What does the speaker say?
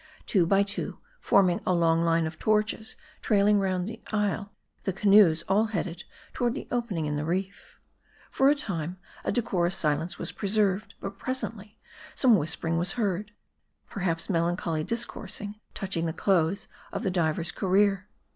Two by Jwo, forming a long line of torches trailing round the isle, the canoes all headed toward the opening in the reef. For a time, a decorous silence was preserved ; but pres ently, some w r hispering was heard ; perhaps melancholy dis coursing touching the close of the diver's career.